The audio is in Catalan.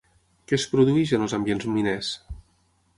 Què es produeix en els ambients miners?